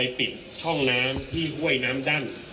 คุณผู้ชมไปฟังผู้ว่ารัฐกาลจังหวัดเชียงรายแถลงตอนนี้ค่ะ